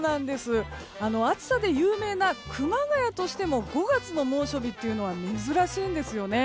暑さで有名な熊谷としても５月の猛暑日は珍しいんですよね。